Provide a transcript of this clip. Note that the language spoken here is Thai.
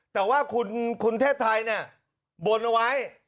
แต่ว่าคุณเทศไทยเนี่ยบนเอาไว้